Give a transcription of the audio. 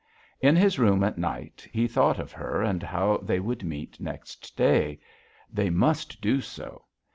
In his room at night, he thought of her and how they would meet next day. They must do so.